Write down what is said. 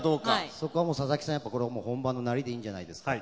そこは佐々木さん本番のなりでいいんじゃないですかと。